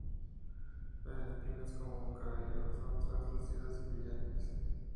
Las espinas, como un cabello, son translúcidas y brillantes.